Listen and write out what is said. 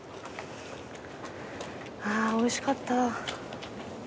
あぁおいしかった。